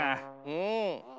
うん。